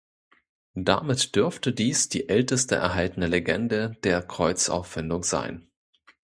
Damit dürfte dies die älteste erhaltene Legende der Kreuzauffindung sein.